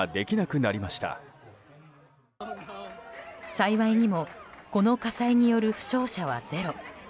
幸いにもこの火災による負傷者はゼロ。